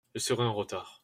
Je serai en retard.